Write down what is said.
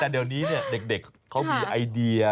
แต่เดี๋ยวนี้เด็กเขามีไอเดีย